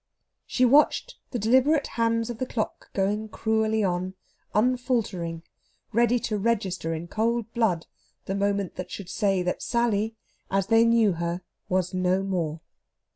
She watched the deliberate hands of the clock going cruelly on, unfaltering, ready to register in cold blood the moment that should say that Sally, as they knew her, was no more.